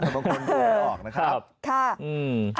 ผ่านบางคนดูออกนะครับค่ะอืมครับอืม